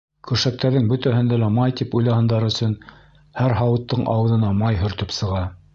Көршәктәрҙең бөтәһендә лә май тип уйлаһындар өсөн, һәр һауыттың ауыҙына май һөртөп сыға.